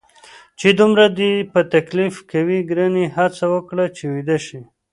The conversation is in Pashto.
چې دومره دې په تکلیف کوي، ګرانې هڅه وکړه چې ویده شې.